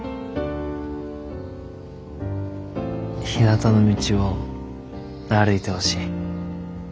ひなたの道を歩いてほしい。